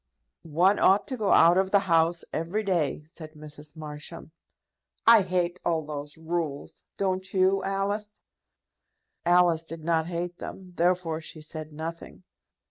"One ought to go out of the house every day," said Mrs. Marsham. "I hate all those rules. Don't you, Alice?" Alice did not hate them, therefore she said nothing.